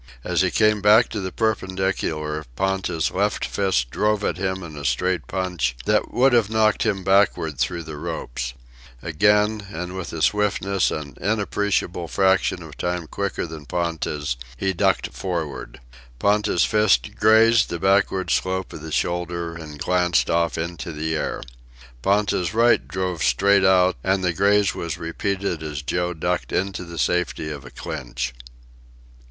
As he came back to the perpendicular, Ponta's left fist drove at him in a straight punch that would have knocked him backward through the ropes. Again, and with a swiftness an inappreciable fraction of time quicker than Ponta's, he ducked forward. Ponta's fist grazed the backward slope of the shoulder, and glanced off into the air. Ponta's right drove straight out, and the graze was repeated as Joe ducked into the safety of a clinch.